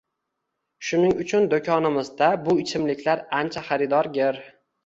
Shuning uchun do‘konimizda bu ichimliklar ancha xaridorgir.